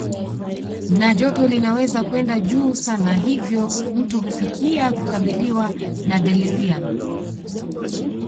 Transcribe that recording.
Na joto linaweza kwenda juu sana hivyo mtu hufikia kukabiliwa na deliriumu